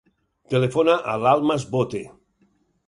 Telefona a l'Almas Bote.